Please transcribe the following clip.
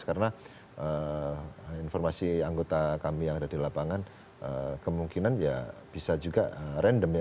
karena informasi anggota kami yang ada di lapangan kemungkinan ya bisa juga random ya